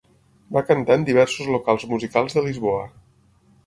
Va cantar en diversos locals musicals de Lisboa.